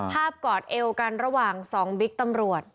กอดเอวกันระหว่าง๒บิ๊กตำรวจ